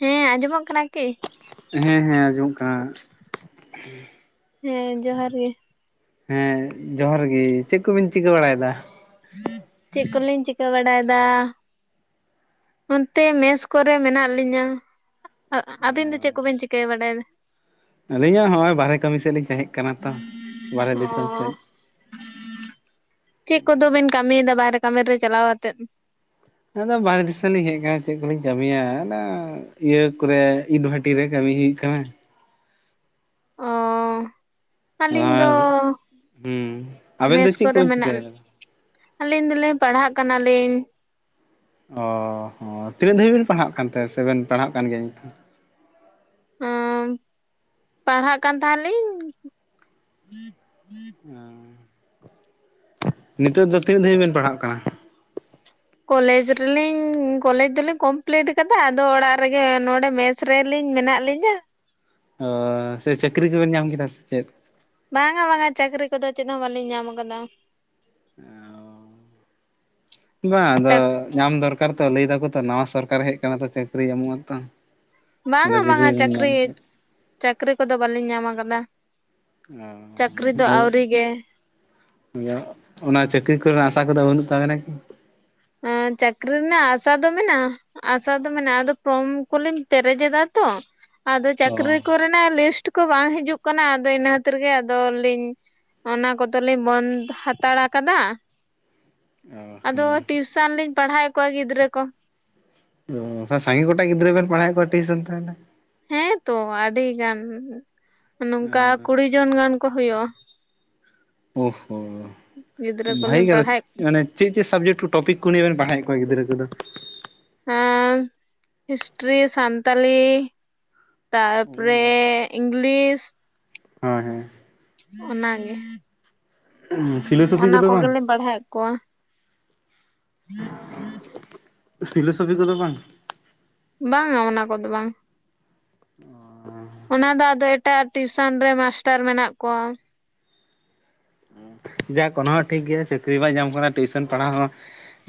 ᱦᱮᱸ ᱟᱡᱚᱢᱚᱜ ᱠᱟᱱᱟ ᱠᱤ? ᱦᱮᱸ ᱦᱮᱸ ᱟᱡᱚᱢᱚᱜ ᱠᱟᱱᱟ᱾ ᱦᱮᱸ ᱡᱚᱦᱟᱨ ᱜᱮ᱾ ᱦᱮᱸ ᱡᱚᱦᱟᱨ ᱜᱮ ᱪᱮᱫ ᱠᱚᱵᱤᱱ ᱪᱤᱠᱟᱹ ᱵᱟᱲᱟᱭᱮᱫᱟ? ᱪᱮᱫ ᱠᱚᱞᱤᱧ ᱪᱤᱠᱟᱹ ᱵᱟᱲᱟᱭ ᱫᱟ ᱱᱚᱱᱛᱮ ᱢᱮᱥ ᱠᱚᱨᱮ ᱢᱮᱱᱟᱜ ᱞᱤᱧᱟ᱾ ᱟ ᱟᱵᱤᱱ ᱫᱚ ᱪᱮᱫ ᱠᱚ ᱵᱮᱱ ᱪᱤᱠᱟᱹᱭ ᱵᱟᱰᱟᱭ ᱫᱟ? ᱟᱹᱞᱤᱧ ᱦᱚᱸ ᱱᱚᱜ-ᱚᱭ ᱵᱟᱨᱦᱮ ᱠᱟᱹᱢᱤ ᱥᱮᱫ ᱞᱤᱧ ᱛᱟᱦᱮᱸᱜ ᱠᱟᱱᱟ ᱛᱚ ᱵᱟᱨᱦᱮ ᱫᱤᱥᱚᱢ ᱥᱮᱫ᱾ ᱚ ᱪᱮᱫ ᱠᱚᱫᱚ ᱵᱤᱱ ᱠᱟᱹᱢᱤᱭ ᱫᱟ ᱵᱟᱦᱨᱮ ᱠᱟᱹᱢᱤ ᱨᱮ ᱪᱟᱞᱟᱣ ᱠᱟᱛᱮᱫ? ᱟᱫᱚ ᱵᱟᱨᱦᱮ ᱫᱤᱥᱚᱢ ᱞᱤᱧ ᱦᱮᱡ ᱟᱠᱟᱱᱟ ᱪᱮᱫ ᱠᱚᱞᱤᱧ ᱠᱟᱹᱢᱤᱭᱟ ᱚᱱᱟ ᱤᱭᱟᱹ ᱠᱚᱨᱮ ᱤᱰ ᱵᱷᱟᱴ᱾ ᱴᱤ ᱨᱮ ᱠᱟᱹᱢᱤ ᱦᱩᱭᱩᱜ ᱠᱟᱱᱟ᱾ ᱚ ᱟᱹᱞᱤᱧ ᱫᱚ ᱟᱨ ᱦᱩᱸ ᱟᱵᱮᱱ ᱫᱚ ᱢᱮᱥ ᱪᱮᱫ ᱠᱚᱨᱮ ᱠᱚᱵᱮᱱ ᱢᱮᱱᱟᱜ ᱪᱤᱠᱟᱹᱭᱮᱫᱟ? ᱟᱹᱞᱤᱧ ᱫᱚᱞᱤᱧ ᱯᱟᱲᱦᱟᱜ ᱠᱟᱱᱟ ᱞᱤᱧ᱾ ᱚ ᱦᱚᱸ ᱛᱤᱱᱟᱹᱜ ᱫᱷᱟᱹᱵᱤᱡ ᱵᱮᱱ ᱯᱟᱲᱦᱟᱜ ᱠᱟᱱᱛᱮ ᱥᱮᱵᱮᱱ ᱯᱟᱲᱦᱟᱜ ᱠᱟᱱ ᱜᱮᱭᱟ ᱱᱤᱛ ᱦᱚᱸ? ᱦᱚᱝ ᱯᱟᱲᱦᱟᱜ ᱠᱟᱱ ᱛᱟᱦᱮᱱ ᱞᱤᱧ ᱚᱻ ᱱᱤᱛᱚᱜ ᱫᱚ ᱛᱤᱱᱟᱹᱜ ᱫᱷᱟᱵᱤᱡ ᱵᱮᱱ ᱯᱟᱲᱦᱟᱜ ᱠᱟᱱᱟ? ᱠᱚᱞᱮᱡᱽ ᱨᱮᱞᱤᱧ ᱠᱚᱞᱮᱡᱽ ᱫᱚᱞᱤᱧ ᱠᱚᱢᱯᱤᱞᱤᱴ ᱟᱠᱟᱫᱟ ᱟᱫᱚ ᱚᱲᱟᱜ ᱨᱮᱜᱮ ᱱᱚᱰᱮ ᱢᱮᱥ ᱥᱮ ᱨᱮᱞᱤᱧ ᱢᱮᱱᱟᱜ ᱞᱤᱧᱟᱹ ᱚᱻ ᱥᱮ ᱪᱟᱹᱠᱨᱤ ᱠᱚᱵᱮᱱ ᱧᱟᱢ ᱠᱮᱫᱟ ᱥᱮᱪᱮᱫ? ᱵᱟᱝᱟ ᱵᱟᱝᱟ ᱪᱟᱹᱠᱨᱤ ᱠᱚᱫᱚ ᱪᱮᱫ ᱦᱚᱸ ᱵᱟᱹᱞᱤᱧ ᱧᱟᱢ ᱟᱠᱟᱫᱟ᱾ ᱮ‌ ᱚ ᱵᱟᱝ ᱟᱫᱚ ᱧᱟᱢ ᱫᱚᱨᱠᱟᱨ ᱛᱚ ᱞᱟᱹᱭ ᱫᱟᱠᱚ ᱛᱚ ᱱᱟᱣᱟ ᱥᱚᱨᱠᱟᱨ ᱦᱮᱡ ᱠᱟᱱᱟ ᱛᱚ ᱪᱟᱹᱠᱨᱤ ᱮᱢᱚᱜ-ᱟ ᱛᱚ᱾ ᱟᱫᱚ ᱵᱟᱝᱟ ᱵᱟᱝᱟ ᱡᱩᱫᱤ ᱵᱮᱱ ᱧᱟᱢ ᱪᱟᱹᱠᱨᱤ ᱠᱷᱟᱡ ᱪᱟᱹᱠᱨᱤ ᱠᱚᱫᱚ ᱵᱟᱹᱞᱤᱧ ᱧᱟᱢ ᱟᱠᱟᱫᱟ᱾ ᱪᱟᱹᱠᱨᱤ ᱫᱚ ᱟᱹᱣᱨᱤ ᱜᱮ᱾ ᱡᱚ ᱚᱱᱟ ᱪᱟᱹᱠᱨᱤ ᱠᱚ ᱨᱮᱱᱟᱜ ᱟᱥᱟ ᱠᱚᱫᱚ ᱵᱟᱹᱱᱩᱜ ᱛᱟᱵᱮᱱᱟ ᱠᱤ? ᱮ ᱪᱟᱹᱠᱨᱤ ᱨᱮᱱᱟᱜ ᱟᱥᱟ ᱫᱚ ᱢᱮᱱᱟᱜ-ᱟ᱾ ᱟᱥᱟ ᱫᱚ ᱢᱮᱱᱟᱜ-ᱟ ᱟᱫᱚ ᱯᱨᱚᱢ ᱠᱚᱞᱤᱧ ᱯᱮᱨᱮᱡ ᱮᱫᱟ ᱛᱚ ᱟᱫᱚ ᱚ ᱪᱟᱹᱠᱨᱤ ᱠᱚ ᱨᱮᱱᱟᱜ ᱞᱤᱥᱴ ᱠᱚ ᱵᱟᱝ ᱦᱤᱡᱩᱜ ᱠᱟᱱᱟ ᱟᱫᱚ ᱤᱱᱟᱹ ᱠᱷᱟᱹᱛᱤᱨ ᱜᱮ ᱟᱫᱚ ᱞᱤᱧ᱾ ᱚᱱᱟ ᱠᱚᱫᱚ ᱞᱤᱧ ᱵᱚᱱᱫ ᱦᱟᱛᱟᱲ ᱟᱠᱟᱫᱟ ᱚ ᱛᱚ ᱴᱤᱭᱩᱥᱚᱱ ᱞᱤᱧ ᱯᱟᱲᱦᱟᱣᱮᱫ ᱠᱚᱣᱟ ᱜᱤᱫᱽᱨᱟᱹ ᱠᱚ᱾ ᱚ ᱥᱟᱹᱜᱮ ᱜᱚᱴᱮᱜ ᱜᱤᱫᱽᱨᱟᱹ ᱵᱮᱱ ᱯᱟᱲᱦᱟᱣᱮᱫ ᱠᱚᱣᱟ ᱴᱤᱭᱩᱥᱚᱱ ᱛᱟᱦᱚᱞᱮ? ᱦᱮᱸᱛᱚ ᱟᱹᱰᱤ ᱜᱟᱱ ᱱᱚᱝᱠᱟ ᱠᱩᱲᱤ ᱡᱚᱱ ᱜᱟᱱ ᱠᱚ ᱦᱩᱭᱩᱜ-ᱟ᱾ ᱚ ᱦᱳ ᱜᱤᱫᱽᱨᱟᱹ ᱵᱷᱟᱜᱮ ᱠᱚᱞᱤᱧ ᱜᱮᱫᱚ ᱯᱟᱲᱦᱟᱣᱮᱫ ᱠᱚᱣᱟ᱾ ᱢᱟᱱᱮ ᱪᱮᱫ ᱪᱮᱫ ᱥᱟᱵᱡᱮᱴ ᱠᱚ ᱴᱚᱯᱤᱠ ᱠᱚ ᱱᱤᱭᱮ ᱵᱮᱱ ᱯᱟᱲᱦᱟᱣᱮᱫ ᱠᱚᱣᱟ ᱜᱤᱫᱽᱨᱟᱹ ᱠᱚᱫᱚ? ᱦᱮᱸ ᱦᱤᱥᱴᱨᱤ ᱥᱟᱱᱛᱟᱞᱤ ᱛᱟᱨᱯᱚᱨᱮ ᱤᱝᱞᱤᱥ ᱦᱚᱭ ᱦᱚᱭ᱾ ᱚᱱᱟ ᱜᱮ ᱯᱷᱤᱞᱳᱥᱚᱯᱷᱤ ᱚᱱᱟ ᱠᱚᱫᱚ ᱵᱟᱝ ᱠᱚᱜᱮᱞᱤᱧ ᱯᱟᱲᱦᱟᱣᱮᱫ ᱠᱚᱣᱟ᱾ ᱥᱷᱤᱞᱳᱥᱚᱯᱷᱤ ᱠᱚᱫᱚ ᱵᱟᱝ? ᱵᱟᱝᱟ ᱚᱱᱟ ᱠᱚᱫᱚ ᱵᱟᱝ᱾ ᱚ ᱚᱱᱟ ᱫᱚ ᱟᱫᱚ ᱮᱴᱟᱜ ᱴᱤᱭᱩᱥᱚᱱ ᱨᱮ ᱢᱟᱥᱴᱟᱨ ᱢᱮᱱᱟᱜ ᱠᱚᱣᱟ᱾ ᱡᱟᱠ ᱚᱱᱟ ᱦᱚᱸ ᱴᱷᱤᱠ ᱜᱮᱭᱟ ᱪᱟᱹᱠᱨᱤ ᱵᱟᱭ ᱧᱟᱢ ᱠᱟᱱᱟ ᱴᱤᱭᱩᱥᱚᱱ ᱯᱟᱲᱦᱟᱣ ᱦᱚᱸ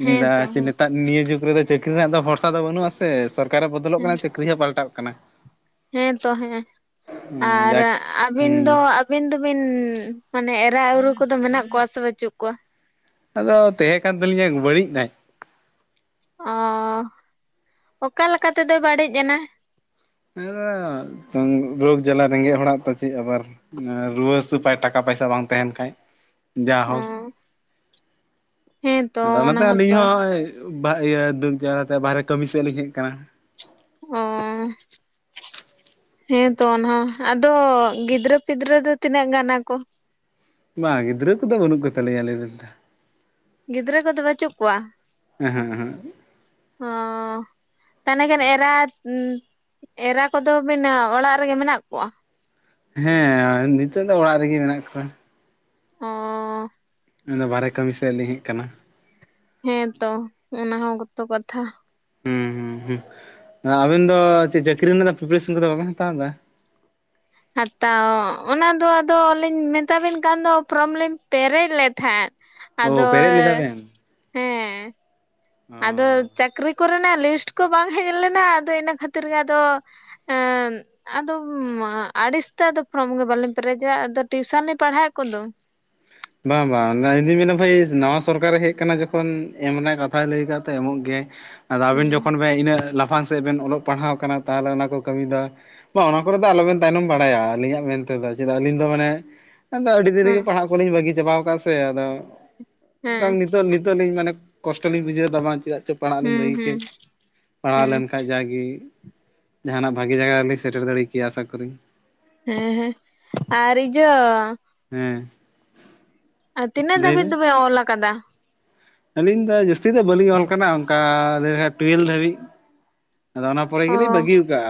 ᱦᱮᱸ ᱤᱱᱫᱟ ᱛᱚ ᱪᱮᱫ ᱱᱮᱛᱟᱨ ᱱᱤᱭᱟᱹ ᱡᱩᱜᱽ ᱨᱮᱫᱚ ᱪᱟᱹᱠᱨᱤ ᱨᱮᱱᱟᱜ ᱫᱚ ᱵᱷᱚᱨᱥᱟ ᱫᱚ ᱵᱟᱹᱱᱩᱜ-ᱟᱥᱮ ᱥᱚᱨᱠᱟᱨ ᱵᱚᱫᱚᱞᱚᱜ ᱦᱮᱸ ᱠᱟᱱᱟ ᱪᱟᱹᱠᱨᱤ ᱦᱚᱸ ᱯᱟᱞᱴᱟᱜ ᱠᱟᱱᱟ᱾ ᱦᱮᱸ ᱛᱚ ᱦᱮᱸ ᱟᱨ ᱡᱟᱠ ᱟᱹᱵᱤᱱ ᱫᱚ? ᱦᱩᱸ ᱟᱹᱵᱤᱱ ᱫᱩᱵᱤᱱ ᱢᱟᱱᱮ ᱮᱨᱟ ᱩᱨᱩ ᱠᱚᱫᱚ ᱢᱮᱱᱟᱜ ᱠᱚᱣᱟ ᱥᱮ ᱵᱟᱹᱪᱩᱜ ᱠᱚᱣᱟ? ᱟᱫᱚ ᱛᱮᱦᱮᱸ ᱠᱟᱱ ᱛᱟᱹᱟᱞᱤᱧᱟᱭ ᱵᱟᱹᱲᱤᱡ ᱱᱟᱭ᱾ ᱚᱸ ᱚᱠᱟ ᱞᱮᱠᱟ ᱛᱮᱫᱚᱭ ᱵᱟᱹᱲᱤᱡ ᱮᱱᱟ? ᱦᱮᱸ ᱨᱳᱜᱽ ᱡᱟᱞᱟ ᱨᱮᱸᱜᱮᱡ ᱦᱚᱲᱟᱜ ᱛᱚ ᱪᱮᱫ ᱟᱵᱟᱨ ᱨᱩᱣᱟᱹ ᱦᱟᱹᱥᱩ ᱯᱟᱭ ᱴᱟᱠᱟ ᱯᱟᱭᱥᱟ ᱵᱟᱝ ᱛᱟᱦᱮᱱ ᱠᱷᱟᱡ᱾ ᱡᱟ ᱚ ᱦᱳᱠ ᱦᱮᱸᱛᱚ ᱟᱫᱚ ᱚᱱᱟ ᱚᱱᱟᱛᱮ ᱟᱹᱞᱤᱧ ᱦᱚᱸᱛᱚ ᱦᱚᱸ ᱟᱹ ᱵᱟᱜ ᱤᱭᱟᱹ ᱫᱩᱠ ᱡᱟᱞᱟᱛᱮ ᱵᱟᱦᱨᱮ ᱠᱟᱹᱢᱤ ᱥᱮᱫ ᱞᱤᱧ ᱦᱮᱡ ᱠᱟᱱᱟ ᱚᱻ...... ᱦᱮᱸᱛᱚ ᱚᱱᱟ ᱦᱚᱸ ᱟᱫᱚ ᱜᱤᱫᱽᱨᱟᱹ ᱯᱤᱫᱽᱨᱟᱹ ᱫᱚ ᱛᱤᱱᱟᱹᱜ ᱜᱟᱱ ᱟᱠᱚ? ᱵᱟᱝ ᱜᱤᱫᱽᱨᱟᱹ ᱠᱩ ᱫᱚ ᱵᱟᱹᱱᱩᱜ ᱠᱚ ᱛᱟᱞᱧᱟ ᱟᱞᱤᱧ ᱨᱮᱱ ᱫᱚ ᱜᱤᱫᱽᱨᱟᱹ ᱠᱚᱫᱚ ᱵᱟᱹᱪᱩᱜ ᱠᱚᱣᱟ, ᱦᱮᱸ ᱦᱮᱸ ᱚᱻ ᱛᱟᱦᱱᱮ ᱠᱷᱟᱱ ᱮᱨᱟ ᱩ ᱮᱨᱟ ᱠᱚᱫᱚ ᱵᱮᱱ ᱚᱲᱟᱜ ᱨᱮᱜᱮ ᱢᱮᱱᱟᱜ ᱠᱚᱣᱟ ᱦᱮᱸ ᱱᱤᱛᱚᱜ ᱫᱚ ᱚᱲᱟᱜ ᱨᱤᱜᱤ ᱢᱮᱱᱟᱜ ᱠᱚᱣᱟ ᱚᱻ ᱟᱫᱚ ᱵᱟᱦᱨᱮ ᱠᱟᱹᱢᱤ ᱥᱮᱫ ᱞᱤᱧ ᱦᱮᱡ ᱟᱠᱟᱱᱟ ᱦᱮᱸ ᱛᱚ ᱚᱱᱟ ᱦᱚᱸ ᱜᱚᱛᱚ ᱠᱟᱛᱷᱟ ᱦᱩᱸ ᱦᱩᱸ ᱦᱩᱸ ᱟᱵᱮᱱ ᱫᱚ ᱪᱮᱫ ᱪᱟᱹᱠᱨᱤ ᱨᱮᱱᱟᱜ ᱫᱚ ᱯᱨᱤᱯᱟᱨᱮᱥᱚᱱ ᱠᱚᱫᱚ ᱵᱟᱵᱮᱱ ᱦᱟᱛᱟᱣ ᱮᱫᱟ ᱦᱟᱛᱟᱣ ᱚᱱᱟ ᱫᱚ ᱟᱫᱚ ᱞᱤᱧ ᱢᱮᱛᱟ ᱵᱤᱱ ᱠᱟᱱ ᱫᱚ ᱯᱷᱨᱚᱢ ᱞᱤᱧ ᱯᱮᱨᱮᱡ ᱞᱮᱫ ᱛᱟᱦᱮᱸᱫ ᱚ ᱟᱫᱚ ᱯᱮᱨᱮᱡ ᱞᱮᱫᱟ ᱵᱮᱱ ᱦᱮᱸ ᱚ ᱟᱫᱚ ᱪᱟᱹᱠᱨᱤ ᱠᱚᱨᱮᱱᱟᱜ ᱞᱤᱥᱴ ᱠᱚ ᱵᱟᱝ ᱦᱮᱡ ᱞᱮᱱᱟ ᱟᱫᱚ ᱤᱱᱟᱹ ᱠᱷᱟᱹᱛᱤᱨ ᱜᱮ ᱟᱫᱚ ᱟᱹᱱ ᱟᱫᱚᱢ ᱟᱹᱲᱤᱥ ᱛᱮ ᱟᱫᱚ ᱯᱷᱨᱚᱢ ᱜᱮ ᱵᱟᱞᱤᱧ ᱯᱮᱨᱮᱡᱟ ᱟᱫᱚ ᱴᱤᱭᱩᱥᱟᱱ ᱞᱤᱧ ᱯᱟᱲᱦᱟᱣᱮᱫ ᱠᱚᱫᱚ ᱵᱟᱝ ᱵᱟᱝ ᱚᱱᱟᱤᱧ ᱢᱮᱱᱟ ᱵᱷᱟᱹᱭ ᱱᱟᱣᱟ ᱥᱚᱨᱠᱟᱨ ᱮ ᱦᱮᱡ ᱟᱠᱟᱱᱟ ᱡᱚᱠᱷᱚᱱ ᱮᱢ ᱨᱮᱭᱟᱜ ᱠᱟᱛᱷᱟᱭ ᱞᱟᱹᱭ ᱠᱟᱫ ᱮᱢᱚᱜ ᱜᱮᱭᱟᱭ ᱟᱫᱚ ᱟᱵᱮᱱ ᱦᱩᱸ ᱡᱚᱠᱷᱚᱱ ᱵᱮ ᱤᱱᱟᱹᱜ ᱞᱟᱯᱷᱟᱝ ᱥᱮᱫ ᱵᱮᱱ ᱚᱞᱚᱜ ᱯᱟᱲᱦᱟᱣ ᱟᱠᱟᱱᱟ ᱛᱟᱦᱞᱮ ᱚᱱᱟ ᱠᱚ ᱠᱟᱹᱢᱤ ᱫᱚ ᱵᱟ ᱚᱱᱟ ᱠᱚᱨᱮ ᱫᱚ ᱟᱞᱚᱵᱮᱱ ᱛᱟᱭᱱᱚᱢ ᱵᱟᱲᱟᱭᱟ ᱟᱹᱞᱤᱧᱟᱜ ᱢᱮᱱ ᱛᱮᱫᱚ ᱪᱮᱫᱟᱜ ᱟᱹᱞᱤᱧ ᱫᱚ ᱢᱟᱱᱮ ᱟᱫᱚ ᱟᱹᱰᱤ ᱫᱤᱱ ᱦᱩᱸ ᱨᱤᱜᱤ ᱯᱟᱲᱦᱟᱜ ᱠᱚᱞᱤᱧ ᱵᱟᱹᱜᱤ ᱪᱟᱵᱟᱣ ᱟᱠᱟᱫᱼᱟ ᱥᱮ ᱟᱫᱚ ᱦᱮᱸ ᱱᱤᱛᱚᱜ ᱱᱤᱛᱚᱜ ᱞᱤᱧ ᱢᱟᱱᱮ ᱠᱚᱥᱴᱚ ᱞᱤᱧ ᱵᱩᱡᱷᱟᱹᱣ ᱫᱟ ᱵᱟᱝ ᱪᱮᱫᱟᱜ ᱪᱚ ᱯᱟᱲᱦᱟᱜ ᱞᱤᱧ ᱦᱩᱸ ᱵᱟᱹᱜᱤ ᱦᱩᱸ ᱠᱮᱫ ᱯᱟᱲᱦᱟᱣ ᱦᱩᱸ ᱞᱮᱱᱠᱷᱟᱡ ᱡᱟᱜᱤ ᱡᱟᱦᱟᱱᱟᱜ ᱵᱷᱟᱜᱤ ᱡᱟᱭᱜᱟ ᱨᱮ ᱞᱤᱧ ᱥᱮᱴᱮᱨ ᱫᱟᱲᱮ ᱠᱮᱭᱟ ᱟ ᱪᱟᱠᱨᱤ ᱦᱮᱸ ᱦᱮᱸ ᱟᱨ ᱤᱡᱟᱹ ᱦᱮᱸ ᱟᱨ ᱛᱤᱱᱟᱹᱜ ᱞᱟᱹᱭ ᱫᱷᱟᱹᱵᱤᱡ ᱵᱮᱱ ᱫᱚᱵᱮ ᱚᱞ ᱠᱟᱫᱟ ᱟᱹᱞᱤᱧ ᱫᱚ ᱡᱟᱹᱥᱛᱤ ᱫᱚ ᱵᱟᱹᱞᱤᱧ ᱚᱞ ᱠᱟᱱᱟ ᱚᱱᱠᱟ ᱞᱟᱹᱭ ᱞᱮᱠᱷᱟᱡ ᱴᱩᱭᱮᱞ ᱫᱷᱟᱹᱵᱤᱡ ᱟᱫᱚ ᱚᱱᱟ ᱯᱚᱨᱮ ᱚ ᱜᱮᱞᱤᱧ ᱵᱟᱹᱜᱤᱣ ᱟᱠᱟᱜᱼᱟ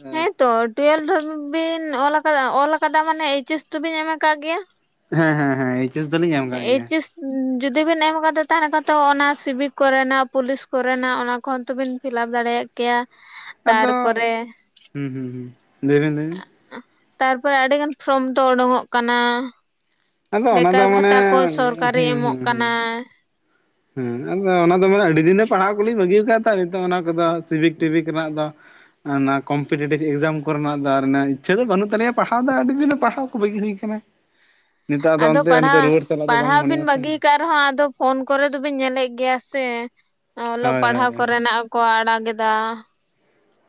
ᱦᱮᱸ ᱦᱮᱸᱛᱚ ᱴᱩᱭᱮᱞᱫᱷᱟᱵᱤᱜ ᱵᱤᱱ ᱚᱞ ᱟᱠᱟᱫᱟ ᱚᱞ ᱟᱠᱟᱫᱟ ᱢᱟᱱᱮ ᱮᱪ ᱮᱥ ᱛᱚᱵᱤᱱ ᱮᱢ ᱟᱠᱟᱜ ᱜᱮᱭᱟ ᱦᱮᱸ ᱦᱮᱸ ᱦᱮᱸ ᱮᱪ ᱮᱥ ᱫᱚᱞᱤᱧ ᱮᱢ ᱟᱠᱟᱜ ᱜᱮᱭᱟ ᱮᱭᱤᱪᱮᱥ ᱡᱩᱫᱤ ᱵᱤᱱ ᱮᱢ ᱠᱟᱫᱟ ᱛᱟᱦᱮ ᱠᱷᱟᱱ ᱛᱚ ᱚᱱᱟ ᱥᱤᱵᱤᱠ ᱠᱚᱨᱮᱱᱟᱜ ᱯᱩᱞᱤᱥ ᱠᱚᱨᱮᱱᱟᱜ ᱚᱱᱟ ᱠᱚ ᱛᱚᱵᱤᱱ ᱯᱷᱤᱞᱟᱯ ᱫᱟᱲᱮᱭᱟᱜ ᱠᱮᱭᱟ ᱟᱫᱚ ᱛᱟᱨᱯᱚᱨᱮ ᱦᱩᱸ ᱦᱩᱸ ᱦᱩᱸ ᱞᱟᱹᱭ ᱵᱤᱱ ᱞᱟᱹᱭᱵᱤᱱ ᱛᱟᱨᱯᱚᱨᱮ ᱟᱹᱰᱤ ᱜᱟᱱ ᱯᱷᱨᱚᱢ ᱛᱚ ᱳᱰᱳᱝ-ᱚᱜ ᱠᱟᱱᱟ ᱟᱫᱚ ᱚᱱᱟ ᱫᱚ ᱵᱮᱠᱟᱨ ᱢᱟᱱᱮ ᱵᱷᱟᱛᱟ ᱠᱚ ᱥᱚᱨᱠᱟᱨᱤ ᱮ ᱦᱩᱸ ᱮᱢᱚᱜ ᱦᱩᱸ ᱦᱩᱸ ᱠᱟᱱᱟ ᱦᱮᱸ ᱟᱫᱚ ᱚᱱᱟ ᱫᱚ ᱢᱟᱱᱮ ᱟᱹᱰᱤ ᱫᱤᱱ ᱨᱮ ᱯᱟᱲᱦᱟᱜ ᱠᱚᱞᱤᱧ ᱵᱟᱹᱜᱤ ᱣᱟᱠᱟᱜ ᱛᱚ ᱱᱤᱛᱚᱜ ᱚᱱᱟ ᱠᱚᱫᱚ ᱥᱤᱵᱤᱠ ᱴᱤᱵᱤᱠ ᱨᱮᱱᱟᱜ ᱫᱚ ᱚᱱᱟ ᱠᱚᱢᱯᱤᱴᱤᱴᱤᱵ ᱮᱠᱡᱟᱢ ᱠᱚᱨᱮᱱᱟᱜ ᱫᱚ ᱟᱨ ᱚᱱᱟ ᱤᱪᱪᱷᱟᱹ ᱫᱚ ᱵᱟᱹᱱᱩᱜ ᱛᱟᱞᱤᱧᱟ ᱯᱟᱲᱦᱟᱣ ᱫᱚ ᱟᱹᱰᱤ ᱫᱤᱱ ᱨᱮ ᱯᱟᱲᱦᱟᱣ ᱠᱚ ᱵᱟᱹᱜᱤ ᱦᱩᱭ ᱠᱟᱱᱟ ᱱᱤᱛᱚᱜ ᱟᱫᱚ ᱚᱱᱛᱮ ᱱᱤᱛᱚᱜ ᱨᱩᱣᱟᱹᱲ ᱪᱞᱟᱜ ᱫᱚ ᱵᱟᱝ ᱢᱚᱱᱮᱜ-ᱟ ᱥᱮ ᱟᱨᱦᱚᱸ ᱟᱫᱚ ᱯᱷᱳᱱ ᱠᱚᱨᱮ ᱫᱚᱵᱤᱱ ᱧᱮᱞᱮᱜ ᱜᱮᱭᱟ ᱥᱮ ᱚᱞᱚᱜ ᱦᱳᱭ ᱦᱳᱭ ᱯᱟᱲᱦᱟᱣ ᱦᱳᱭ ᱠᱚᱨᱮᱱᱟᱜ ᱠᱚ ᱟᱲᱟᱜ ᱮᱫᱟ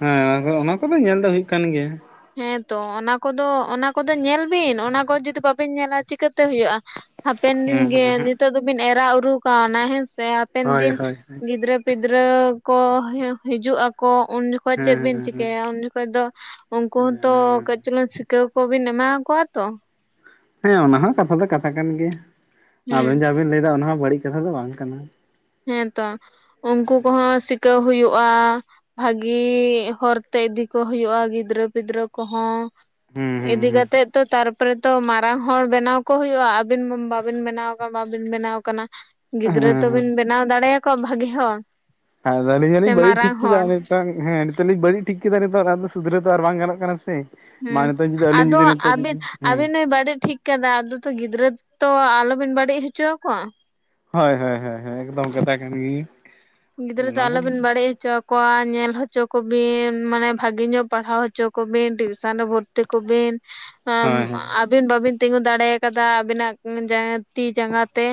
ᱦᱮᱸ ᱟᱫᱚ ᱚᱱᱟ ᱠᱚᱫᱚ ᱧᱮᱞ ᱫᱚ ᱦᱩᱭᱩᱜ ᱠᱟᱱ ᱜᱮᱭᱟ ᱦᱮᱸᱛᱚ ᱚᱱᱟ ᱠᱚᱫᱚ ᱚᱱᱟ ᱠᱚᱫᱚ ᱧᱮᱞ ᱵᱤᱱ ᱚᱱᱟ ᱠᱚ ᱡᱩᱫᱤ ᱵᱟᱵᱤᱱ ᱧᱮᱞᱟ ᱪᱤᱠᱟᱹᱛᱮ ᱦᱩᱭᱩᱜᱼᱟ ᱦᱟᱯᱮᱱ ᱫᱤᱱ ᱦᱮᱸ ᱜᱮ ᱦᱮᱸ ᱱᱤᱛᱚᱜ ᱫᱚᱵᱤᱱ ᱮᱨᱟ ᱩᱨᱩ ᱠᱟᱣᱱᱟ ᱦᱮᱸᱥᱮ ᱦᱟᱯᱮᱱ ᱦᱳᱭ ᱫᱤᱱ ᱦᱳᱭ ᱦᱮᱸ ᱜᱤᱫᱽᱨᱟᱹ ᱯᱤᱫᱽᱨᱟᱹ ᱠᱚ ᱦᱤᱡᱩᱜ ᱟᱠᱚ ᱩᱱ ᱡᱚᱠᱷᱚᱡ ᱪᱮᱫ ᱵᱤᱱ ᱦᱮᱸ ᱪᱤᱠᱟᱹᱭᱟ ᱩᱱ ᱡᱚᱠᱷᱚᱡ ᱫᱚ ᱩᱱᱠᱩ ᱦᱚᱸᱛᱚ ᱦᱮᱸ ᱠᱟᱹᱡ ᱪᱩᱞᱩᱝ ᱥᱤᱠᱟᱹᱣ ᱠᱚᱵᱤᱱ ᱮᱢᱟ ᱠᱚᱣᱟ ᱛᱚ ᱦᱮᱸ ᱚᱱᱟ ᱦᱚᱸ ᱠᱟᱛᱷᱟ ᱫᱚ ᱠᱟᱛᱷᱟ ᱠᱟᱱ ᱜᱮᱭᱟ ᱟᱵᱮᱱ ᱦᱩᱸ ᱡᱟᱦᱟᱸ ᱵᱮᱱ ᱞᱟᱹᱭ ᱮᱫᱟ ᱚᱱᱟ ᱦᱚᱸ ᱵᱟᱹᱲᱤᱡ ᱠᱟᱛᱷᱟ ᱫᱚ ᱵᱟᱝ ᱠᱟᱱᱟ ᱾ ᱦᱮᱸᱛᱚ ᱩᱱᱠᱩ ᱠᱚᱦᱚᱸ ᱥᱤᱠᱟᱹᱣ ᱦᱩᱭᱩᱜᱼᱟ ᱾ ᱵᱷᱟᱹᱜᱤ ᱦᱚᱨᱛᱮ ᱤᱫᱤ ᱠᱚ ᱦᱩᱭᱩᱜᱼᱟ ᱜᱤᱫᱽᱨᱟᱹ ᱯᱤᱫᱽᱨᱟᱹ ᱠᱚᱦᱚᱸ᱾ ᱦᱩᱸ ᱦᱩᱸ ᱤᱫᱤ ᱦᱩᱸ ᱠᱟᱛᱮᱜ ᱛᱚ ᱛᱟᱨ ᱯᱚᱨᱮ ᱛᱚ ᱢᱟᱨᱟᱝ ᱦᱚᱲ ᱵᱮᱱᱟᱣ ᱠᱚ ᱦᱩᱭᱩᱜᱼᱟ ᱾ ᱟᱹᱵᱤᱱ ᱢᱟ ᱵᱟᱵᱤᱱ ᱵᱮᱱᱟᱣ ᱟᱠᱟ ᱵᱟᱵᱤᱱ ᱵᱮᱱᱟᱣ ᱠᱟᱱᱟ ᱾ ᱦᱮᱸ ᱜᱤᱫᱽᱨᱟᱹ ᱛᱚᱵᱤᱱ ᱦᱮᱸ ᱵᱮᱱᱟᱣ ᱫᱟᱲᱮᱭᱟ ᱠᱚᱣᱟ ᱵᱷᱟᱹᱜᱤ ᱦᱚᱲ ᱾ ᱟᱫᱚ ᱟᱹᱞᱤᱧ ᱦᱚᱸ ᱞᱤᱧ ᱵᱟᱹᱲᱤᱡ ᱴᱷᱤᱠ ᱠᱮᱫᱟ ᱞᱤᱧ ᱱᱤᱛᱚᱝ ᱦᱮᱸ ᱱᱤᱛᱚᱜ ᱞᱤᱧ ᱵᱟᱹᱲᱤᱡᱽ ᱴᱷᱤᱠ ᱠᱮᱫᱟ ᱱᱤᱛᱚᱜ ᱥᱩᱫᱷᱟᱹᱨᱟᱣ ᱫᱚ ᱟᱨ ᱵᱟᱝ ᱜᱟᱱᱚᱜ ᱠᱟᱱᱟ ᱥᱮ ᱦᱩᱸ ᱢᱟ ᱱᱤᱛᱚᱜ ᱡᱩᱫᱤ ᱟᱹᱞᱤᱧ ᱟᱫᱚ ᱡᱩᱫᱤ ᱱᱤᱛᱚᱜ ᱟᱹᱵᱤᱱ ᱡᱩᱫᱤ ᱦᱮᱸ ᱟᱹᱵᱤᱱ ᱱᱩᱭ ᱵᱟᱹᱲᱤᱡᱽ ᱴᱷᱤᱠ ᱠᱟᱫᱟ ᱟᱫᱚ ᱛᱚ ᱜᱤᱫᱽᱨᱟᱹ ᱛᱚ ᱟᱞᱚᱵᱤᱱ ᱵᱟᱹᱲᱤᱡᱽ ᱦᱚᱪᱚ ᱟᱠᱚᱣᱟ ᱾ ᱦᱚᱭ ᱦᱚᱭ ᱦᱚᱭ ᱦᱚᱭ ᱮᱠᱫᱚᱢ ᱠᱟᱛᱷᱟ ᱠᱟᱱ ᱜᱤᱭ ᱜᱤᱫᱽᱨᱟᱹ ᱫᱚ ᱟᱞᱚᱵᱤᱱ ᱵᱟᱹᱲᱤᱡᱽ ᱦᱚᱪᱚ ᱠᱚᱣᱟ ᱧᱮᱞ ᱦᱚᱪᱚ ᱠᱚᱵᱤᱱ ᱢᱟᱱᱮ ᱵᱷᱟᱜᱤ ᱧᱚᱜ ᱯᱟᱲᱦᱟᱣ ᱦᱚᱪᱚ ᱠᱚᱵᱤᱱ ᱴᱤᱭᱩᱥᱚᱱ ᱨᱮ ᱵᱷᱚᱨ ᱛᱤ ᱠᱚ ᱵᱤᱱ ᱦᱳᱭ ᱦᱳᱭ ᱾ ᱟᱹᱵᱤᱱ ᱵᱟᱵᱤᱱ ᱛᱤᱸᱜᱩ ᱫᱟᱲᱮ ᱟᱠᱟᱫᱟ ᱟᱹᱵᱤᱱᱟᱜ ᱡᱟᱸ ᱛᱤ ᱡᱟᱸᱜᱟ ᱛᱮ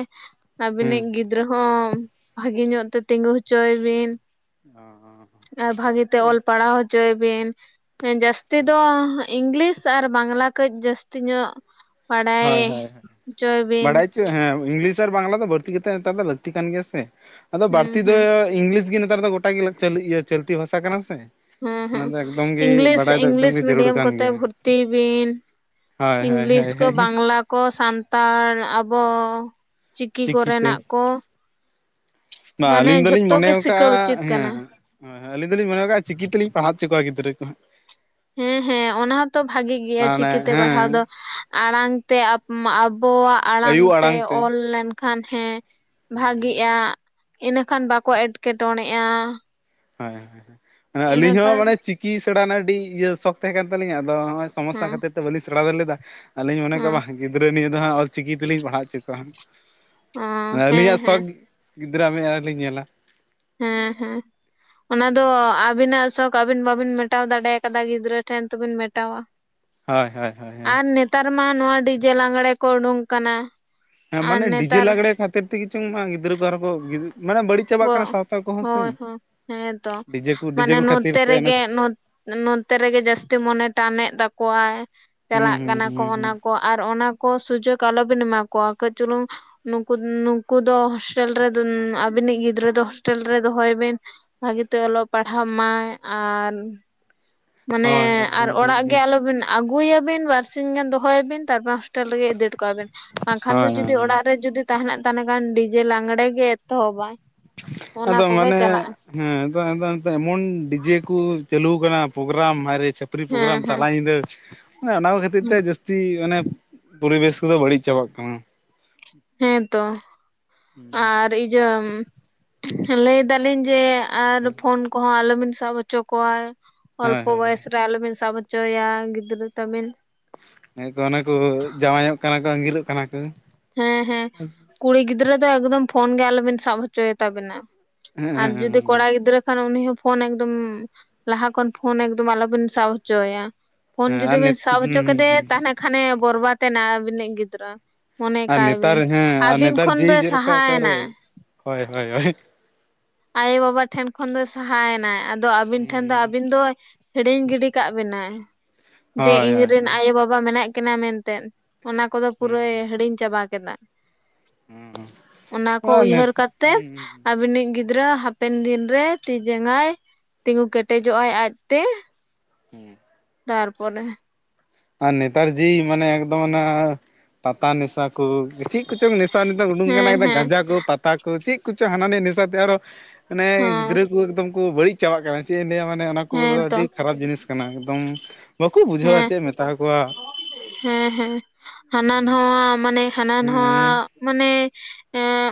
ᱦᱩᱸ ᱟᱹᱵᱤᱱᱤᱡ ᱜᱤᱫᱽᱨᱟᱹ ᱦᱚᱸ ᱵᱷᱟᱹᱜᱤ ᱧᱚᱜ ᱛᱮ ᱛᱤᱜᱩ ᱦᱚᱪᱚᱭᱮ ᱵᱤᱱ ᱦᱚᱸ ᱦᱚᱸ ᱦᱚᱸ ᱦᱮᱸ ᱴᱤᱠ ᱾ ᱪᱚᱭ ᱵᱤᱱ ᱡᱟᱹᱥᱛᱤ ᱫᱚ ᱤᱝᱞᱤᱥ ᱟᱨ ᱵᱟᱝᱞᱟ ᱠᱟᱹᱡᱽ ᱡᱟᱹᱥᱛᱤ ᱧᱚᱜ ᱵᱟᱲᱟᱭ ᱦᱳᱭ ᱦᱳᱭ ᱚᱪᱚᱭ ᱵᱤᱱ ᱵᱟᱰᱟᱭ ᱦᱮᱸ ᱤᱝᱞᱤᱥ ᱟᱨ ᱵᱟᱝᱞᱟ ᱫᱚ ᱵᱟᱹᱲᱛᱤ ᱠᱟᱛᱮ ᱱᱮᱛᱟᱨ ᱫᱚ ᱞᱟᱹᱠᱛᱤ ᱠᱟᱱ ᱜᱮᱭᱟ ᱥᱮ ᱟᱫᱚ ᱦᱩᱸ ᱵᱟᱹᱲᱛᱤ ᱫᱚ ᱦᱩᱸ ᱤᱝᱞᱤᱥ ᱜᱮ ᱱᱮᱛᱟᱨ ᱫᱚ ᱜᱚᱴᱟ ᱜᱮ ᱪᱟᱹᱞᱛᱤ ᱵᱷᱟᱥᱟ ᱠᱟᱱᱟ ᱥᱮ ᱦᱩᱸ ᱚᱱᱟ ᱦᱩᱸ ᱫᱚ ᱮᱠᱫᱚᱢ ᱜᱮ ᱤᱝᱞᱤᱥ ᱵᱟᱰᱟᱭ ᱫᱚ ᱮᱠᱫᱚᱢ ᱤᱝᱞᱤᱥ ᱜᱮ ᱡᱟᱹᱨᱩᱲ ᱢᱤᱰᱤᱭᱟᱹᱢ ᱠᱟᱱ ᱠᱚᱛᱮ ᱜᱮᱭᱟ ᱵᱷᱩᱨᱛᱤ ᱮᱵᱤᱱ ᱦᱳᱭ ᱦᱳᱭ ᱤᱝᱞᱤᱥ ᱠᱚ ᱦᱳᱭ ᱵᱟᱝᱞᱟ ᱠᱚ ᱥᱟᱱᱛᱟᱲ ᱟᱵᱚ ᱪᱤᱠᱤ ᱪᱤᱠᱤᱛᱮ ᱠᱚᱨᱮᱱᱟᱜ ᱠᱚ [unintelligible] ᱢᱟᱱᱮ ᱟᱹᱞᱤᱧ ᱫᱚᱞᱤᱧ ᱡᱷᱚᱛᱚ ᱜᱮ ᱢᱚᱱᱮᱣ ᱥᱤᱠᱟᱹ ᱩᱪᱤᱛ ᱠᱟᱜᱼᱟ ᱦᱮᱸ ᱠᱟᱱᱟ ᱦᱳᱭ ᱦᱳᱭ ᱟᱹᱞᱤᱧ ᱫᱚᱞᱤᱧ ᱢᱚᱱᱮ ᱟᱠᱟ ᱪᱤᱠᱤ ᱛᱮᱞᱤᱧ ᱯᱟᱲᱦᱟᱣ ᱦᱚᱪᱚ ᱠᱚᱣᱟ ᱜᱤᱫᱽᱨᱟᱹ ᱠᱚᱦᱟᱸᱜ ᱦᱮᱸ ᱦᱮᱸ ᱚᱱᱟ ᱦᱚᱸᱛᱚ ᱵᱷᱟᱜᱤ ᱜᱮᱭᱟ ᱢᱟᱱᱮ ᱪᱤᱠᱤ ᱛᱮ ᱦᱮᱸ ᱯᱟᱲᱦᱟᱣ ᱫᱚ ᱟᱲᱟᱝ ᱛᱮ ᱟᱯᱢᱟ ᱟᱵᱚᱣᱟᱜ ᱟᱲᱟᱝ ᱛᱮ ᱚᱞ ᱞᱮᱱᱠᱷᱟᱱ ᱦᱮᱸ ᱵᱷᱟᱜᱤᱜᱼᱟ ᱤᱱᱟᱹᱠᱷᱟᱱ ᱵᱟᱠᱚ ᱮᱸᱴᱠᱮᱴᱚᱬᱮᱜᱼᱟ ᱾ ᱦᱚᱭ ᱦᱚᱭ ᱦᱚᱭ ᱦᱚᱭ ᱟᱹᱞᱤᱧ ᱦᱚᱸ ᱢᱟᱱᱮ ᱪᱤᱠᱤ ᱥᱮᱬᱟ ᱨᱮᱱᱟᱜ ᱟᱹᱰᱤ ᱤᱭᱟᱹ ᱥᱚᱠ ᱛᱟᱦᱮᱸ ᱠᱟᱱ ᱛᱟᱹᱞᱤᱧᱟ ᱟᱫᱚ ᱦᱚᱸᱜᱼᱚᱭ ᱥᱚᱢᱚᱥᱟ ᱦᱮᱸ ᱠᱷᱟᱹᱛᱤᱨ ᱛᱮ ᱵᱟᱹᱞᱤᱧ ᱥᱮᱬᱟ ᱫᱟᱲᱮ ᱞᱮᱫᱟ ᱟᱹᱞᱤᱧ ᱢᱚᱱᱮ ᱠᱮᱫ ᱦᱮᱸ ᱵᱟᱝ ᱜᱤᱫᱽᱨᱟᱹ ᱱᱤᱭᱟᱹ ᱫᱷᱚ ᱚᱞ ᱪᱤᱠᱤ ᱛᱮᱞᱤᱧ ᱯᱟᱲᱦᱟᱣ ᱚᱪᱚ ᱠᱚᱣᱟ ᱦᱟᱸᱜ ᱦᱮᱸ ᱟᱹᱞᱤᱧᱟᱹᱜ ᱥᱚᱠ ᱦᱮᱸ ᱜᱤᱫᱽᱨᱟᱹᱣᱟᱜ ᱢᱮᱫᱦᱟ ᱨᱮ ᱞᱤᱧ ᱧᱮᱞᱟ ᱾ ᱦᱮᱸ ᱦᱮᱸ ᱚᱱᱟ ᱫᱚ ᱟᱵᱤᱱᱟᱜ ᱥᱚᱠ ᱟᱹᱵᱤᱱ ᱵᱟᱵᱤᱱ ᱢᱮᱴᱟᱣ ᱫᱟᱲᱮ ᱠᱟᱫᱟ ᱜᱤᱫᱽᱨᱟᱹ ᱴᱷᱮᱱ ᱛᱚ ᱵᱤᱱ ᱢᱮᱴᱟᱣᱟ ᱾ ᱦᱚᱭ ᱦᱚᱭ ᱦᱚᱭ ᱦᱚᱭ ᱱᱮᱛᱟᱨ ᱢᱟ ᱱᱚᱣᱟ ᱰᱤᱡᱮ ᱞᱟᱜᱽᱬᱮ ᱠᱚ ᱩᱰᱩᱝ ᱟᱠᱟᱱᱟ ᱾ ᱦᱮᱸ ᱢᱟᱱᱮ ᱰᱤᱡᱮ ᱞᱟᱜᱽᱲᱮ ᱠᱷᱟᱹᱛᱤᱨ ᱛᱮᱜᱮ ᱪᱚᱝ ᱜᱤᱫᱽᱨᱟᱹ ᱠᱚ ᱟᱨᱦᱚᱸ ᱢᱟᱱᱮ ᱵᱟᱹᱲᱤᱡᱽ ᱣᱚᱜ ᱦᱚᱭ ᱦᱚᱭ ᱦᱮᱸᱛᱚ ᱰᱤᱡᱮ ᱠᱚ ᱰᱤᱡᱮ ᱢᱟᱱᱮ ᱠᱚ ᱠᱷᱟᱹᱛᱤᱨ ᱱᱚᱛᱮ ᱛᱮ ᱦᱩᱸ ᱨᱮᱜᱮ ᱱᱚᱛᱮ ᱨᱮᱜᱮ ᱡᱟᱹᱥᱛᱤ ᱢᱚᱱᱮ ᱴᱟᱱᱮᱫ ᱛᱟᱠᱚᱣᱟᱭ ᱪᱟᱞᱟᱜ ᱦᱩᱸ ᱠᱟᱱᱟ ᱠᱚ ᱦᱩᱸ ᱚᱱᱟ ᱦᱩᱸ ᱠᱚ ᱟᱨ ᱚᱱᱟ ᱠᱚ ᱥᱩᱡᱚᱜ ᱟᱞᱚᱵᱤᱱ ᱮᱢᱟ ᱠᱚᱣᱟ ᱠᱟᱹᱡᱽ ᱪᱩᱞᱩᱝ ᱱᱩᱠᱩ ᱱᱩᱠᱩ ᱫᱚ ᱦᱚᱥᱴᱮᱞ ᱨᱮ ᱫᱚ ᱟᱹᱵᱤᱱᱤᱡᱽ ᱜᱤᱫᱽᱨᱟᱹ ᱫᱚ ᱦᱳᱥᱴᱮᱞ ᱨᱮ ᱫᱚᱦᱚᱭᱮ ᱵᱤᱱ ᱵᱷᱟᱹᱜᱤᱛᱮ ᱚᱞᱚᱜ ᱯᱟᱲᱦᱟᱜ ᱢᱟᱭ ᱟᱨ ᱢᱟᱱᱮ ᱦᱳᱭ ᱦᱳᱭ ᱟᱨ ᱦᱳᱭ ᱦᱳᱭ ᱚᱲᱟᱜ ᱜᱮ ᱦᱳᱭ ᱟᱞᱚᱵᱤᱱ ᱟᱹᱜᱩᱭᱮ ᱵᱤᱱ ᱵᱟᱹᱨᱥᱤᱸᱧ ᱜᱟᱱ ᱫᱚᱦᱚᱭᱮ ᱵᱤᱱ ᱛᱟᱨᱯᱚᱨ ᱦᱚᱥᱴᱮᱞ ᱨᱮᱜ ᱤᱫᱤ ᱴᱟ ᱠᱟᱭ ᱵᱮᱱ ᱵᱟᱝ ᱠᱷᱟᱱ ᱫᱚ ᱦᱳᱭ ᱡᱩᱫᱤ ᱦᱳᱭ ᱚᱲᱟᱜ ᱨᱮ ᱡᱩᱫᱤ ᱛᱟᱦᱮᱱᱟ ᱛᱟᱦᱚᱞᱮ ᱠᱷᱟᱱ ᱰᱤᱡᱮ ᱞᱟᱸᱜᱽᱲᱮ ᱜᱮ ᱮᱛᱚᱦᱚᱵᱽᱟᱭ ᱟᱫᱚ ᱢᱟᱱᱮ ᱦᱮᱸ ᱟᱫᱚ ᱟᱫᱚ ᱮᱢᱚᱱ ᱰᱤᱡᱮ ᱠᱚ ᱪᱟᱹᱞᱩ ᱟᱠᱟᱱᱟ ᱯᱨᱳᱜᱨᱟᱢ ᱦᱟᱭ ᱨᱮ ᱪᱷᱟᱹᱯᱨᱤ ᱯᱨᱳᱜᱨᱟᱢ ᱦᱮᱸ ᱦᱮᱸ ᱛᱟᱞᱟ ᱧᱤᱫᱟᱹ ᱚᱱᱟ ᱠᱷᱟᱹᱛᱤᱨ ᱛᱮ ᱡᱟᱹᱥᱛᱤ ᱢᱟᱱᱮ ᱯᱚᱨᱤᱵᱮᱥ ᱠᱚᱫᱚ ᱵᱟᱹᱲᱤᱡᱽ ᱪᱟᱵᱟᱜ ᱠᱟᱱᱟ ᱦᱮᱸ ᱛᱚ ᱟᱨ ᱤᱭᱟᱹ ᱞᱟᱹᱭ ᱫᱟᱞᱤᱧ ᱡᱮ ᱟᱨ ᱯᱷᱳᱱ ᱠᱚᱦᱚᱸ ᱟᱞᱚᱵᱤᱱ ᱥᱟᱵ ᱦᱚᱪᱚ ᱠᱚᱣᱟ ᱚᱞᱯᱚ ᱦᱳᱭ ᱵᱚᱭᱮᱥ ᱨᱮ ᱟᱞᱚᱵᱤᱱ ᱥᱟᱵ ᱦᱚᱪᱚ ᱦᱚᱪᱚᱭᱟ ᱜᱤᱫᱽᱨᱟᱹ ᱛᱟᱵᱤᱱ ᱦᱮ ᱠᱚ ᱚᱱᱟ ᱠᱚ ᱡᱟᱶᱟᱭᱧᱚᱜ ᱠᱟᱱᱟ ᱠᱚ ᱟᱸᱜᱤᱨᱚᱜ ᱠᱟᱸᱱᱟ ᱠᱚ ᱦᱮᱸ ᱦᱮᱸ ᱠᱩᱲᱤ ᱜᱤᱫᱽᱨᱟᱹ ᱫᱚ ᱮᱠᱫᱚᱢ ᱯᱷᱳᱱ ᱜᱮ ᱟᱞᱚᱵᱤᱱ ᱥᱟᱵ ᱦᱚᱪᱚᱭᱮ ᱛᱟᱵᱤᱱᱟ᱾ ᱦᱮᱸ ᱟᱨ ᱦᱮᱸ ᱡᱩᱫᱤ ᱠᱚᱲᱟ ᱜᱤᱫᱽᱨᱟᱹ ᱠᱷᱟᱱ ᱩᱱᱤ ᱦᱚᱸ ᱯᱷᱳᱱ ᱮᱠᱫᱚᱢ ᱞᱟᱦᱟ ᱠᱷᱚᱱ ᱯᱷᱳᱱ ᱮᱠᱫᱚᱢ ᱟᱞᱚᱵᱤᱱ ᱥᱟᱵ ᱦᱚᱪᱚ ᱟᱭᱟ᱾ ᱯᱷᱳᱱ ᱦᱮᱸ ᱡᱩᱫᱤ ᱟᱨ ᱵᱤᱱ ᱱᱤᱛ ᱥᱟᱵ ᱦᱩᱸ ᱦᱚᱪᱚ ᱠᱮᱫᱮᱭᱟ ᱦᱩᱸ ᱛᱟᱦᱞᱮ ᱠᱷᱟᱱᱮ ᱵᱚᱨᱵᱟᱛ ᱮᱱᱟ ᱟᱹᱵᱤᱱᱤᱡ ᱜᱤᱫᱽᱨᱟᱹ᱾ ᱢᱚᱱᱮ ᱟᱨ ᱠᱟᱭ ᱱᱮᱛᱟᱨ ᱵᱤᱱ ᱦᱮᱸ ᱟᱨ ᱟᱵᱤᱱ ᱱᱮᱛᱟᱨ ᱠᱷᱚᱱ ᱡᱮᱭ ᱫᱚᱭ ᱡᱮᱞᱮᱠᱟ ᱚᱠᱟᱨᱮ ᱥᱟᱦᱟᱭᱱᱟ᱾ ᱦᱳᱭ ᱦᱳᱭ ᱦᱳᱭ ᱟᱭᱳᱼᱵᱟᱵᱟ ᱴᱷᱮᱱ ᱠᱷᱚᱱ ᱫᱚ ᱥᱟᱦᱟᱭᱮᱱᱟᱭ ᱟᱫᱚ ᱟᱹᱵᱤᱱ ᱦᱩᱸ ᱴᱷᱮᱱ ᱫᱚ ᱟᱹᱵᱤᱱ ᱫᱚᱭ ᱦᱤᱲᱤᱧ ᱜᱤᱰᱤ ᱠᱟᱜ ᱵᱮᱱᱟᱭ ᱡᱮ ᱦᱳᱭ ᱦᱳᱭ ᱤᱧᱨᱮᱱ ᱟᱭᱳ ᱵᱟ ᱵᱟ ᱢᱮᱱᱟᱜ ᱠᱤᱱᱟᱹ ᱢᱮᱱᱛᱮ ᱚᱱᱟ ᱠᱚᱫᱚ ᱦᱩᱸ ᱯᱩᱨᱟᱹᱭ ᱦᱤᱲᱤᱧ ᱪᱟᱵᱟ ᱠᱮᱫᱟ᱾ ᱦᱩᱸ ᱚᱱᱟ ᱦᱩᱸ ᱠᱚ ᱟᱨ ᱱᱤᱛ ᱩᱭᱦᱟᱹᱨ ᱠᱟᱛᱮ ᱦᱩᱸ ᱟᱹᱵᱤᱱᱤᱡ ᱜᱤᱫᱽ ᱜᱤᱫᱽᱨᱟᱹ ᱦᱟᱯᱮᱱ ᱫᱤᱱ ᱨᱮ ᱛᱤ ᱡᱟᱝᱟᱭ ᱛᱤᱸᱜᱩ ᱠᱮᱴᱮᱡᱚᱜ ᱟᱭ ᱟᱡᱛᱮ᱾ ᱦᱮᱸ᱾ ᱛᱟᱨᱯᱚᱨᱮ ᱟᱨ ᱱᱮᱛᱟᱨ ᱡᱤ ᱢᱟᱱᱮ ᱮᱠᱫᱚᱢ ᱚᱱᱟ ᱯᱟᱛᱟ ᱱᱮᱥᱟ ᱠᱚ ᱪᱮᱫ ᱠᱚᱪᱚᱝ ᱱᱮ ᱱᱤᱛᱚᱜ ᱩᱰᱩᱠ ᱠᱟᱱᱟ ᱦᱮᱸ ᱮ ᱦᱮᱸ ᱜᱟᱸᱡᱟ ᱠᱚ ᱯᱟᱛᱟ ᱠᱚ ᱪᱮᱫ ᱠᱚᱪᱚᱝ ᱦᱟᱱᱟ ᱱᱤᱭᱟᱹ ᱱᱮᱥᱟᱛᱮ ᱟᱨᱚ ᱢᱟᱱᱮ ᱦᱮᱸ ᱜᱤᱫᱽᱨᱟᱹ ᱠᱚ ᱮᱠᱫᱚᱢ ᱠᱚ ᱵᱟᱹᱲᱤᱡ ᱪᱟᱵᱟᱜ ᱠᱟᱱᱟ ᱪᱮᱫ ᱤᱧ ᱞᱟᱹᱭᱟ ᱢᱟᱱᱮ ᱚᱱᱟ ᱠᱚᱫᱚ ᱦᱮᱸ ᱛᱚ ᱟᱹᱰᱤ ᱠᱷᱟᱨᱟᱯ ᱡᱤᱱᱤᱥ ᱠᱟᱱᱟ ᱮᱠᱫᱚᱢ ᱵᱟᱠᱚ ᱵᱩᱡᱷᱟᱹᱣᱟ ᱦᱮᱸ ᱪᱮᱫ ᱮᱢ ᱢᱮᱛᱟ ᱟᱠᱚᱣᱟ᱾ ᱦᱮᱸ ᱦᱮᱸ ᱦᱟᱱᱟ ᱱᱚᱣᱟ ᱢᱟᱱᱮ ᱦᱟᱱᱟ ᱦᱮᱸ ᱱᱚᱣᱟ ᱢᱟᱱᱮ ᱮᱸ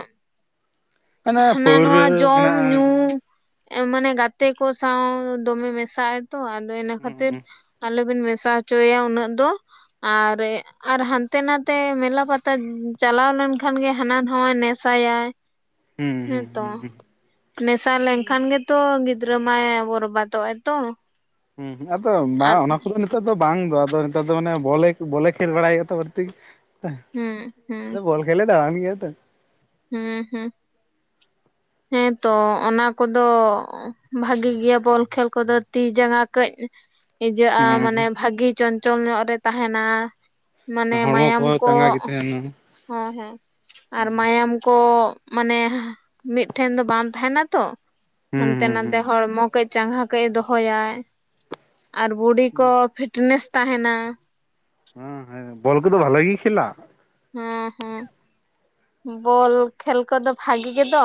ᱚᱱᱮ ᱦᱟᱱᱟ ᱱᱚᱣᱟ ᱯᱟᱹᱣᱨᱟᱹ ᱡᱚᱢ ᱢᱮᱱᱟᱜᱼᱟ ᱧᱩ᱾ ᱢᱟᱱᱮ ᱜᱟᱛᱮ ᱠᱚ ᱥᱟᱶ ᱫᱚᱢᱮ ᱢᱮᱥᱟᱜ ᱟᱭᱛᱚ ᱟᱫᱚ ᱤᱱᱟᱹ ᱠᱷᱟᱹᱛᱤᱨ ᱦᱩᱸ ᱟᱞᱮᱚᱵᱤᱱ ᱢᱮᱥᱟ ᱦᱚᱪᱚᱭᱮᱭᱟ ᱩᱱᱟᱹᱜ ᱫᱚ ᱟᱨ ᱟᱨ ᱦᱟᱱᱛᱮ ᱱᱟᱛᱮ ᱢᱮᱞᱟ ᱯᱟᱛᱟ ᱪᱟᱞᱟᱣ ᱞᱮᱱᱠᱷᱟᱱ ᱜᱮ ᱦᱟᱱᱟ ᱱᱟᱣᱟ ᱱᱮᱥᱟᱭᱟᱭ᱾ ᱦᱩᱸ ᱦᱩᱸ ᱦᱮᱸᱛᱚ ᱦᱩᱸ ᱦᱩᱸ ᱱᱮᱥᱟ ᱞᱮᱱᱠᱷᱟᱱ ᱜᱮᱛᱚ ᱜᱤᱫᱽᱨᱟᱹ ᱢᱟᱭ ᱵᱚᱨᱵᱟᱫ ᱫᱚᱜ ᱟᱭ ᱛᱚ᱾ ᱦᱩᱸ ᱟᱫᱚ ᱟᱨ ᱵᱟᱝ ᱚᱱᱟ ᱠᱚᱫᱚ ᱱᱮᱛᱟᱨ ᱫᱚ ᱵᱟᱝ ᱫᱚ ᱟᱫᱚ ᱱᱮᱛᱟᱨ ᱫᱚ ᱢᱟᱱᱮ ᱵᱚᱞᱮ ᱵᱚᱞᱮ ᱠᱷᱮᱞ ᱵᱟᱲᱟᱭᱼᱟᱜ ᱛᱚ ᱠᱟᱹᱴᱤᱡ᱾ ᱦᱩᱸ ᱦᱩᱸ ᱵᱚᱞ ᱠᱷᱮᱞᱮ ᱫᱟᱲᱟᱱ ᱜᱮᱭᱟ ᱛᱚ᱾ ᱦᱮᱸ ᱦᱮᱸ᱾ [inaudible] ᱦᱮᱸᱛᱚ ᱚᱱᱟ ᱠᱚᱫᱚ ᱵᱷᱟᱜᱤ ᱜᱮᱭᱟ ᱵᱚᱞ ᱠᱷᱮᱞ ᱠᱚᱫᱚ ᱛᱤ ᱡᱟᱸᱜᱟ ᱠᱟᱹᱡ [inaudible] ᱤᱡᱟᱹᱜᱼᱟ ᱦᱩᱸ ᱢᱟᱱᱮ ᱵᱷᱟᱹᱜᱤ ᱪᱚᱧᱪᱚᱞ ᱧᱚᱜ ᱨᱮ ᱛᱟᱦᱮᱱᱟ ᱢᱟᱱᱮ ᱦᱚᱲᱢᱚ ᱢᱟᱭᱟᱢ ᱠᱚᱦᱚᱸ ᱠᱚ [inaudible] ᱦᱮᱸ ᱦᱮᱸ ᱟᱨ ᱢᱟᱭᱟᱢ ᱠᱚ ᱢᱟᱱᱮ ᱢᱤᱫᱴᱷᱮᱱ ᱫᱚ ᱵᱟᱝ ᱛᱟᱦᱮᱱᱟᱛᱚ ᱦᱩᱸ ᱦᱟᱱᱛᱮ ᱦᱩᱸ ᱦᱩᱸ ᱱᱟᱛᱮ ᱦᱚᱲᱢᱚ ᱠᱟᱹᱡ ᱪᱟᱸᱜᱷᱟ ᱠᱟᱹᱡ ᱮ ᱫᱚᱦᱚᱭᱟᱭ ᱟᱨ ᱵᱚᱰᱤ ᱠᱚ ᱯᱷᱤᱴᱱᱮᱥ ᱛᱟᱦᱮᱱᱟ᱾ ᱦᱮᱸ ᱦᱮᱸ ᱵᱚᱞ ᱠᱚᱫᱚ ᱵᱷᱟᱞᱮ ᱜᱮ ᱠᱷᱮᱞᱟ᱾ ᱦᱮᱸ ᱦᱮᱸ᱾ ᱵᱚᱞ ᱠᱷᱮᱞ ᱠᱚᱫᱚ ᱵᱷᱟᱜᱤ ᱜᱮᱫᱚ᱾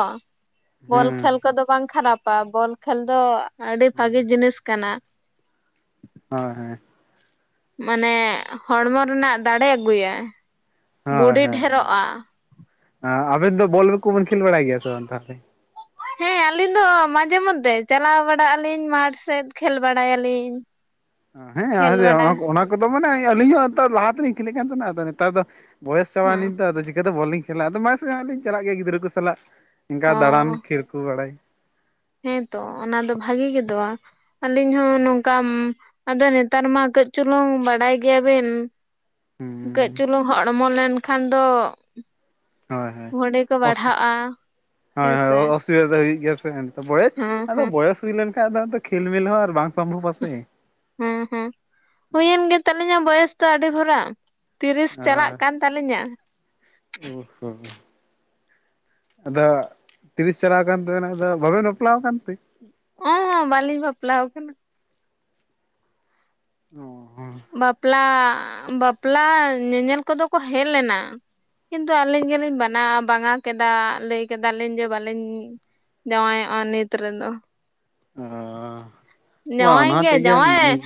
ᱵᱚᱞ ᱦᱮᱸ ᱠᱷᱮᱞ ᱠᱚᱫᱚ ᱵᱟᱝ ᱠᱷᱟᱨᱟᱯᱟ ᱵᱚᱞ ᱠᱷᱮᱞ ᱫᱚ ᱟᱹᱰᱤ ᱵᱷᱟᱹᱜᱤ ᱡᱤᱱᱤᱥ ᱠᱟᱱᱟ᱾ ᱦᱳᱭ ᱦᱳᱭ᱾ ᱢᱟᱱᱮ ᱦᱚᱲᱢᱚ ᱨᱮᱱᱟᱜ ᱫᱟᱲᱮ ᱟᱹᱜᱩᱭᱟ᱾ ᱦᱳᱭ ᱦᱳᱭ᱾ ᱟᱵᱮᱱ ᱫᱚ ᱵᱚᱞ ᱠᱚᱵᱮᱱ ᱠᱷᱮᱞ ᱵᱟᱲᱟᱭ ᱜᱮᱭᱟ ᱥᱮ ᱵᱟᱝ ᱛᱟᱦᱚᱞᱮ᱾ ᱦᱮᱸ ᱟᱹᱞᱤᱧ ᱫᱚ ᱢᱟᱡᱷᱮ ᱢᱚᱫᱫᱷᱮ ᱪᱟᱞᱟᱣ ᱵᱟᱲᱟᱜ ᱟᱹᱞᱤᱧ ᱢᱟᱴᱷ ᱥᱮᱫ ᱠᱷᱮᱞ ᱵᱟᱲᱟᱭᱟᱞᱤᱧ᱾ [inaudible] ᱦᱮᱸ ᱠᱷᱮᱞ ᱵᱟᱲᱟ ᱚᱱᱟ ᱠᱚᱫᱚ ᱢᱟᱱᱮ ᱟᱹᱞᱤᱧ ᱦᱚᱸ ᱮᱱᱛᱮ ᱞᱟᱦᱟ ᱛᱮᱞᱤᱧ ᱠᱷᱮᱞᱤᱜ ᱠᱟᱱ ᱛᱟᱦᱮᱱᱟ᱾ ᱟᱫᱚ ᱱᱮᱛᱟᱨ ᱫᱚ ᱵᱚᱭᱮᱥ ᱦᱮᱸ ᱪᱟᱵᱱᱟᱞᱤᱧ ᱛᱚ ᱟᱫᱚ ᱪᱤᱠᱟᱹᱛᱮ ᱵᱚᱞ ᱞᱤᱧ ᱠᱷᱮᱞᱟ ᱟᱫ ᱢᱟᱥᱮ ᱥᱟᱡᱷᱮ ᱞᱤᱧ ᱪᱟᱞᱟᱜ ᱜᱮᱭᱟ ᱜᱤᱫᱽᱨᱟᱹ ᱠᱚ ᱥᱟᱞᱟᱜ᱾ ᱤᱱᱠᱟ ᱚ ᱫᱟᱬᱟᱱ ᱠᱷᱤᱨᱠᱩ ᱵᱟᱲᱟᱭ᱾ ᱦᱮᱸᱛᱚ ᱚᱱᱟ ᱫᱚ ᱵᱷᱟᱜᱤ ᱜᱮᱫᱚᱜ ᱟᱹᱞᱤᱧ ᱦᱚᱸ ᱱᱚᱝᱠᱟ ᱟᱫᱚ ᱱᱮᱛᱟᱨ ᱢᱟ ᱠᱟᱹᱡ ᱪᱩᱞᱩᱝ ᱵᱟᱰᱟᱭ ᱜᱮᱭᱟᱵᱤᱱ᱾ ᱦᱮᱸ ᱠᱟᱹᱡ ᱪᱩᱞᱩᱝ ᱦᱚᱲᱢᱚ ᱞᱮᱱᱠᱷᱟᱱ ᱫᱚ ᱦᱳᱭ ᱦᱳᱭ ᱢᱚᱱᱮ ᱠᱚ ᱚᱥ ᱵᱟᱲᱦᱟᱜᱼᱟ ᱦᱳᱭ ᱦᱮᱸᱥᱮ [unintelligible] ᱦᱩᱭᱩᱜ ᱜᱮᱭᱟ ᱥᱮ [unintelligible] ᱵᱚᱭᱮᱥ ᱦᱮᱸ ᱟᱫᱚ ᱦᱮᱸ ᱵᱚᱭᱮᱥ ᱦᱩᱭ ᱞᱮᱱᱠᱷᱟᱱ ᱫᱚ ᱠᱷᱮᱞᱢᱮᱞ ᱦᱚᱸ ᱟᱨ ᱵᱟᱝ ᱥᱚᱢᱵᱷᱚᱵᱽ ᱥᱮ ᱦᱮᱸ ᱦᱩᱸ ᱦᱩᱭᱮᱱ ᱜᱮ ᱛᱟᱹᱞᱤᱧᱟ ᱵᱚᱭᱚᱥ ᱫᱚ ᱟᱹᱰᱤ ᱵᱷᱚᱨᱟ ᱛᱤᱨᱤᱥ ᱪᱟᱞᱟᱜ ᱟᱨ ᱠᱟᱱ ᱛᱟᱹᱞᱤᱧᱟ ᱚ ᱦᱚᱻ ᱟᱫᱚ ᱛᱤᱨᱤᱥ ᱪᱟᱞᱟᱣ ᱟᱠᱟᱱ ᱛᱟᱹᱵᱤᱱᱟ ᱟᱫᱚ ᱵᱟᱵᱮᱱ ᱵᱟᱯᱞᱟ ᱟᱠᱟᱱᱛᱮ ᱚ ᱦᱚᱸᱻ ᱵᱟᱹᱞᱤᱧ ᱵᱟᱯᱞᱟᱣᱟᱠᱟᱱᱟ ᱚᱦᱚᱸ ᱻ ᱵᱟᱯᱞᱟ ᱵᱟᱯᱞᱟ ᱧᱮᱧᱮᱞ ᱠᱚᱫᱚ ᱠᱚ ᱦᱮᱡ ᱞᱮᱱᱟ ᱠᱤᱱᱛᱩ ᱟᱹᱞᱤᱧ ᱜᱮᱞᱤᱧ ᱵᱟᱱᱟ ᱵᱟᱝᱟ ᱠᱮᱫᱟ ᱞᱟᱹᱭ ᱠᱮᱫᱟᱞᱤᱧ ᱡᱮ ᱵᱟᱹᱞᱤᱧ ᱡᱟᱶᱟᱭᱚᱜᱼᱟ ᱱᱤᱛ ᱨᱮᱫᱚ ᱚ ᱵᱟᱝ ᱡᱟᱶᱟᱭ ᱚᱱᱟ ᱦᱚᱸ ᱜᱮ ᱴᱷᱤᱠ ᱜᱮᱭᱟ ᱡᱟᱶᱟᱭ ᱱᱤᱡ